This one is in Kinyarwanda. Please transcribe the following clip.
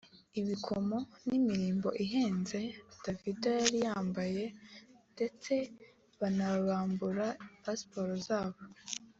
ibikomo n’imirimbo ihenze Davido yari yambaye ndetse banabambura pasiporo zabo